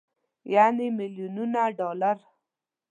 يعنې ميليونونه ډالر.